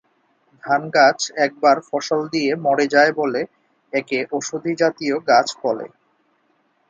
ধান গাছ একবার ফসল দিয়ে মরে যায় বলে একে ওষধি জাতীয় গাছ বলে।